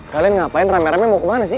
kalian ngapain rame rame mau kemana sih